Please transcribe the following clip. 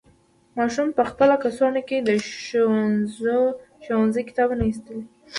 ماشوم په خپل کڅوړه کې د ښوونځي کتابونه ایستل.